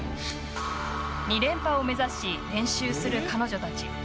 ２連覇を目指し練習する彼女たち。